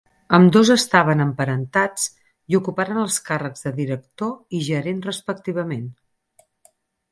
Ambdós estaven emparentats i ocuparen els càrrecs de director i gerent respectivament.